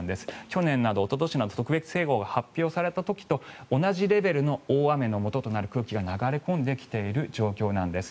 去年などおととしなど特別警報が発表された時と同じレベルの大雨のもととなる雲が流れ込んできている状況なんです。